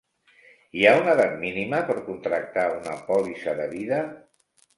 Hi ha una edat mínima per contractar una pòlissa de vida?